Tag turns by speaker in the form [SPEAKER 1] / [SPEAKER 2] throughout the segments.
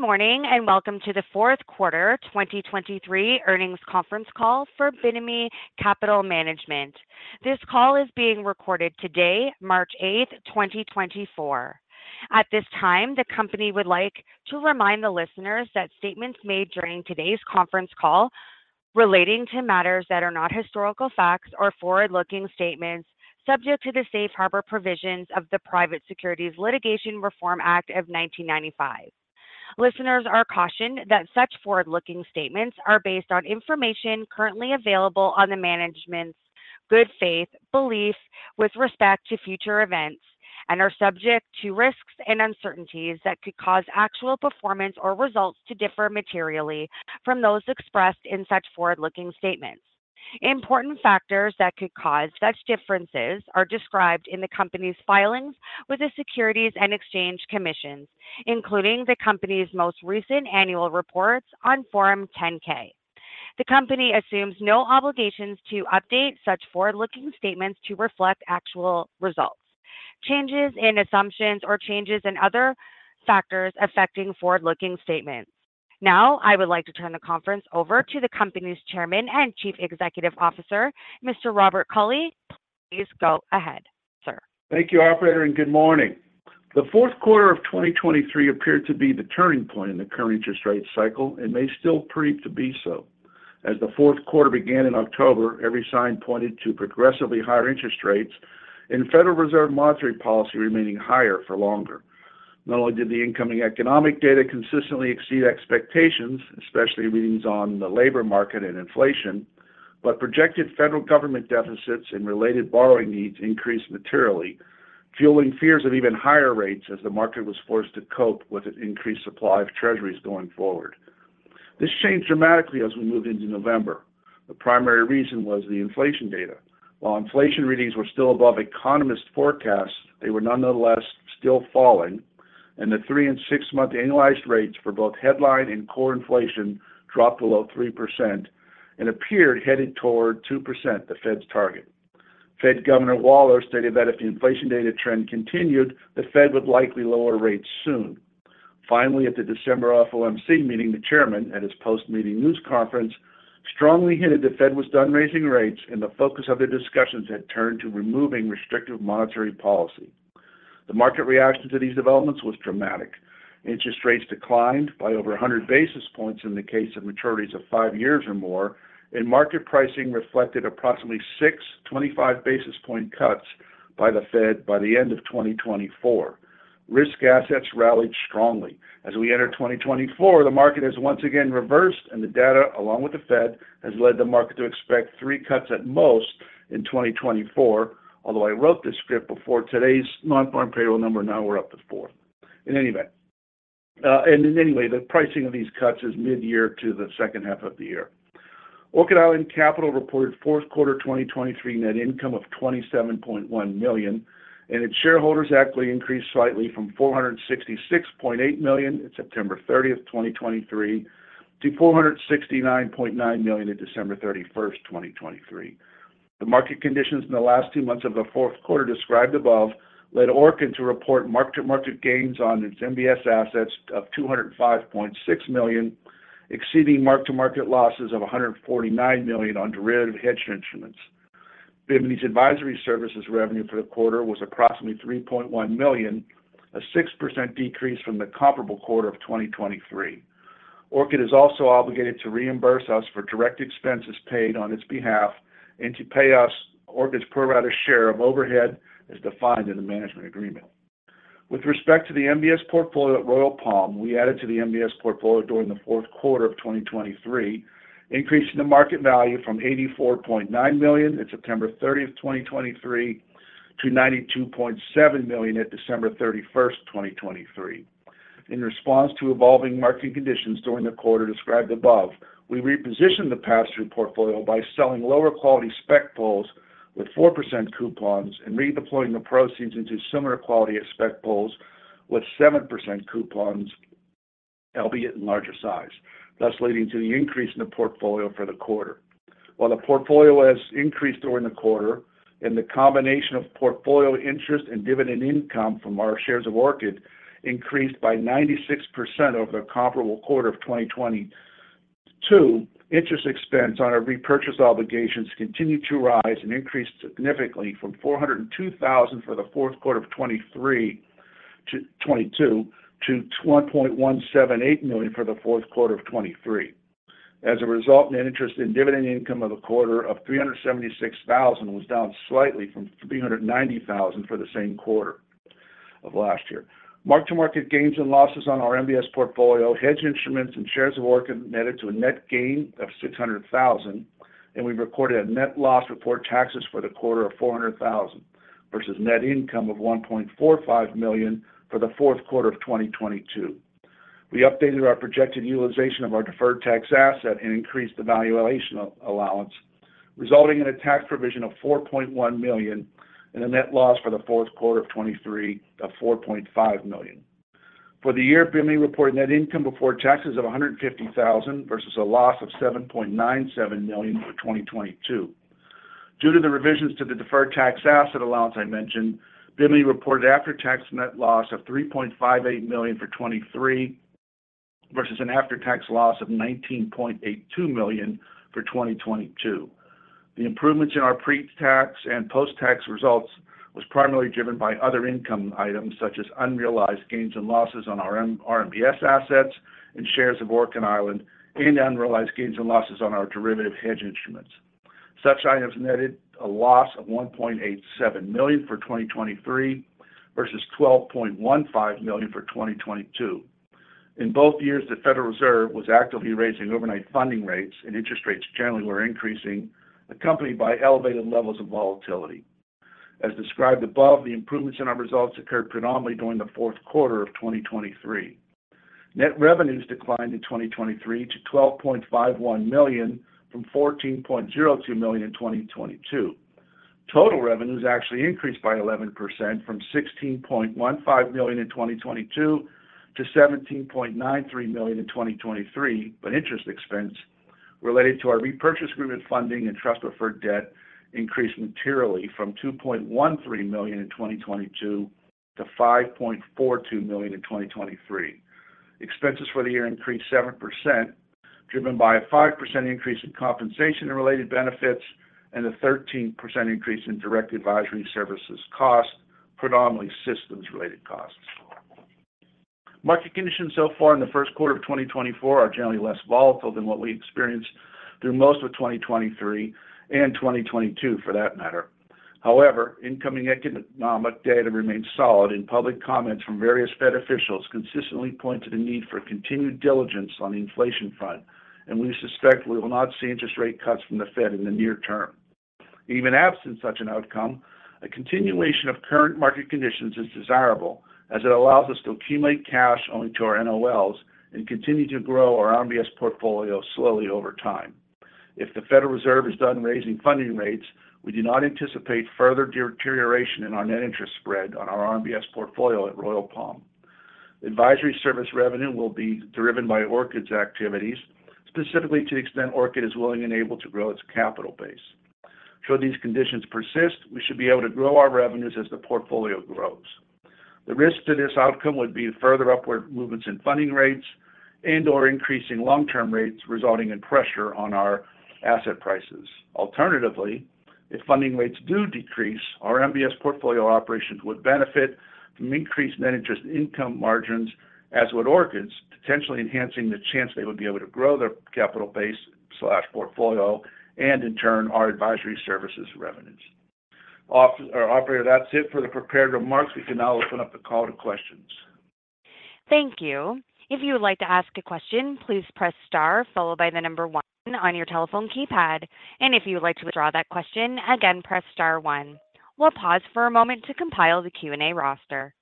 [SPEAKER 1] Good morning, and welcome to the fourth quarter 2023 earnings conference call for Bimini Capital Management. This call is being recorded today, March 8, 2024. At this time, the company would like to remind the listeners that statements made during today's conference call relating to matters that are not historical facts are forward-looking statements subject to the safe harbor provisions of the Private Securities Litigation Reform Act of 1995. Listeners are cautioned that such forward-looking statements are based on information currently available on the management's good faith belief with respect to future events, and are subject to risks and uncertainties that could cause actual performance or results to differ materially from those expressed in such forward-looking statements. Important factors that could cause such differences are described in the company's filings with the Securities and Exchange Commission, including the company's most recent annual reports on Form 10-K. The company assumes no obligations to update such forward-looking statements to reflect actual results, changes in assumptions or changes in other factors affecting forward-looking statements. Now, I would like to turn the conference over to the company's Chairman and Chief Executive Officer, Mr. Robert E. Cauley. Please go ahead, sir.
[SPEAKER 2] Thank you, operator, and good morning. The fourth quarter of 2023 appeared to be the turning point in the current interest rate cycle and may still prove to be so. As the fourth quarter began in October, every sign pointed to progressively higher interest rates and Federal Reserve monetary policy remaining higher for longer. Not only did the incoming economic data consistently exceed expectations, especially readings on the labor market and inflation, but projected federal government deficits and related borrowing needs increased materially, fueling fears of even higher rates as the market was forced to cope with an increased supply of Treasuries going forward. This changed dramatically as we moved into November. The primary reason was the inflation data. While inflation readings were still above economist forecasts, they were nonetheless still falling, and the 3- and 6-month annualized rates for both headline and core inflation dropped below 3% and appeared headed toward 2%, the Fed's target. Fed Governor Waller stated that if the inflation data trend continued, the Fed would likely lower rates soon. Finally, at the December FOMC meeting, the chairman, at his post-meeting news conference, strongly hinted the Fed was done raising rates and the focus of the discussions had turned to removing restrictive monetary policy. The market reaction to these developments was dramatic. Interest rates declined by over 100 basis points in the case of maturities of 5 years or more, and market pricing reflected approximately six 25 basis point cuts by the Fed by the end of 2024. Risk assets rallied strongly. As we enter 2024, the market has once again reversed, and the data, along with the Fed, has led the market to expect three cuts at most in 2024. Although I wrote this script before today's non-farm payroll number, now we're up to four. In any event, in any way, the pricing of these cuts is midyear to the second half of the year. Orchid Island Capital reported fourth quarter 2023 net income of $27.1 million, and its shareholders' equity increased slightly from $466.8 million on September 30th, 2023, to $469.9 million on December 31st, 2023. The market conditions in the last two months of the fourth quarter described above led Orchid to report mark-to-market gains on its MBS assets of $205.6 million, exceeding mark-to-market losses of $149 million on derivative hedge instruments. Bimini's advisory services revenue for the quarter was approximately $3.1 million, a 6% decrease from the comparable quarter of 2023. Orchid is also obligated to reimburse us for direct expenses paid on its behalf and to pay us Orchid's pro rata share of overhead, as defined in the management agreement. With respect to the MBS portfolio at Royal Palm, we added to the MBS portfolio during the fourth quarter of 2023, increasing the market value from $84.9 million on September thirtieth, 2023, to $92.7 million at December thirty-first, 2023. In response to evolving market conditions during the quarter described above, we repositioned the pass-through portfolio by selling lower-quality spec pools with 4% coupons and redeploying the proceeds into similar quality of spec pools with 7% coupons, albeit in larger size, thus leading to the increase in the portfolio for the quarter. While the portfolio has increased during the quarter and the combination of portfolio interest and dividend income from our shares of Orchid increased by 96% over the comparable quarter of 2022, interest expense on our repurchase obligations continued to rise and increased significantly from $402,000 for the fourth quarter of 2022 to $1.178 million for the fourth quarter of 2023. As a result, net interest and dividend income of the quarter of $376,000 was down slightly from $390,000 for the same quarter of last year. Mark-to-market gains and losses on our MBS portfolio, hedge instruments, and shares of Orchid netted to a net gain of $600,000, and we recorded a net loss before taxes for the quarter of $400,000, versus net income of $1.45 million for the fourth quarter of 2022. We updated our projected utilization of our deferred tax asset and increased the valuation allowance, resulting in a tax provision of $4.1 million and a net loss for the fourth quarter of 2023 of $4.5 million. For the year, Bimini reported net income before taxes of $150,000 versus a loss of $7.97 million for 2022. Due to the revisions to the deferred tax asset allowance I mentioned, Bimini reported after-tax net loss of $3.58 million for 2023, versus an after-tax loss of $19.82 million for 2022. The improvements in our pre-tax and post-tax results was primarily driven by other income items, such as unrealized gains and losses on our RMBS assets and shares of Orchid Island, and unrealized gains and losses on our derivative hedge instruments. Such items netted a loss of $1.87 million for 2023, versus $12.15 million for 2022. In both years, the Federal Reserve was actively raising overnight funding rates, and interest rates generally were increasing, accompanied by elevated levels of volatility. As described above, the improvements in our results occurred predominantly during the fourth quarter of 2023. Net revenues declined in 2023 to $12.51 million from $14.02 million in 2022. Total revenues actually increased by 11% from $16.15 million in 2022 to $17.93 million in 2023, but interest expense related to our repurchase agreement funding and trust-preferred debt increased materially from $2.13 million in 2022 to $5.42 million in 2023. Expenses for the year increased 7%, driven by a 5% increase in compensation and related benefits and a 13% increase in direct advisory services costs, predominantly systems-related costs. Market conditions so far in the first quarter of 2024 are generally less volatile than what we experienced through most of 2023 and 2022, for that matter. However, incoming economic data remains solid, and public comments from various Fed officials consistently point to the need for continued diligence on the inflation front, and we suspect we will not see interest rate cuts from the Fed in the near term. Even absent such an outcome, a continuation of current market conditions is desirable, as it allows us to accumulate cash o to our NOLs and continue to grow our RMBS portfolio slowly over time. If the Federal Reserve is done raising funding rates, we do not anticipate further deterioration in our net interest spread on our RMBS portfolio at Royal Palm. Advisory service revenue will be driven by Orchid's activities, specifically to the extent Orchid is willing and able to grow its capital base. Should these conditions persist, we should be able to grow our revenues as the portfolio grows. The risk to this outcome would be further upward movements in funding rates and/or increasing long-term rates, resulting in pressure on our asset prices. Alternatively, if funding rates do decrease, our MBS portfolio operations would benefit from increased net interest income margins, as would Orchid's, potentially enhancing the chance they would be able to grow their capital base/portfolio and, in turn, our advisory services revenues. Operator, that's it for the prepared remarks. We can now open up the call to questions.
[SPEAKER 1] Thank you. If you would like to ask a question, please press star followed by the number one on your telephone keypad. If you would like to withdraw that question, again, press star one. We'll pause for a moment to compile the Q&A roster.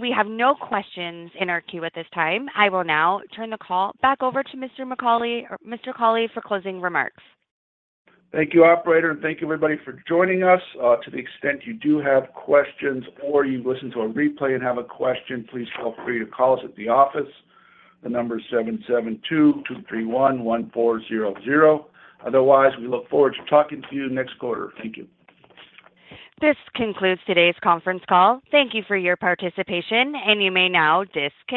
[SPEAKER 1] We have no questions in our queue at this time. I will now turn the call back over to Mr. Cauley for closing remarks.
[SPEAKER 2] Thank you, Operator, and thank you, everybody, for joining us. To the extent you do have questions or you listen to a replay and have a question, please feel free to call us at the office. The number is 772-231-1400. Otherwise, we look forward to talking to you next quarter. Thank you.
[SPEAKER 1] This concludes today's conference call. Thank you for your participation, and you may now disconnect.